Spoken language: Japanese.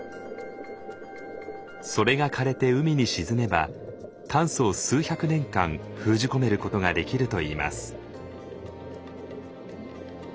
それが枯れて海に沈めば炭素を数百年間封じ込めることができるといいます。